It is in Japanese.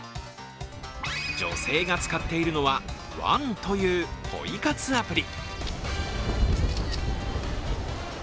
女性が使っているのはＯＮＥというポイ活アプリ。